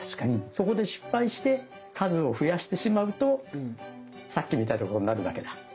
そこで失敗して数を増やしてしまうとさっきみたいなことになるだけだ。